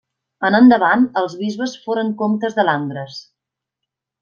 En endavant els bisbes foren comtes de Langres.